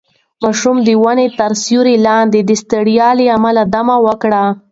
ماشوم د ونې تر سیوري لاندې د ستړیا له امله دمه وکړه.